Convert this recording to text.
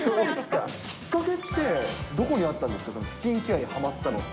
きっかけってどこにあったんですか、そのスキンケアにはまったのって。